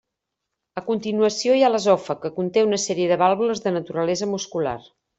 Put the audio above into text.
A continuació hi ha l'esòfag que conté una sèrie de vàlvules de naturalesa muscular.